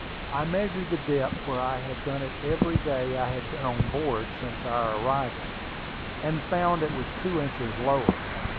I measured the depth where I had done it every day I had been on board since our arrival, and I found it was two inches lower.